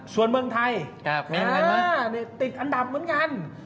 ส่วนเมืองไทยติดอันดับเหมือนกัน